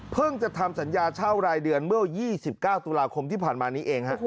เพิ่งจะทำสัญญาเช่ารายเดือนเมื่อยี่สิบเก้าตุลาคมที่ผ่านมานี้เองฮะ